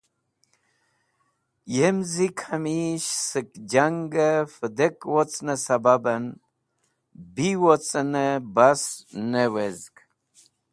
Yam zik Hamish sek jangẽ vẽdek wocnẽ sebabẽn bi wocẽ bas ne wezg.